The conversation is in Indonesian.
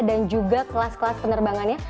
dan juga kelas kelas penerbangannya